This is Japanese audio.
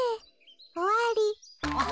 おわり。